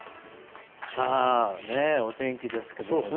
お天気ですけども。